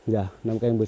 dạ năm cái bữa xuống ấy